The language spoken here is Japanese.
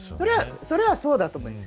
それはそうだと思う。